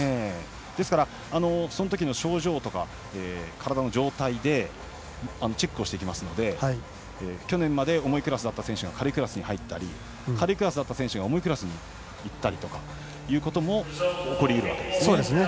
ですから、そのときの症状とか体の状態でチェックするので去年まで重いクラスの選手が軽いクラスに入ったり軽いクラスだった選手が重いクラスにいったりということも起こり得るわけですね。